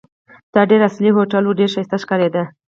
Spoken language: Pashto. دا ډېر عصري هوټل وو، ډېر ښایسته ښکارېده.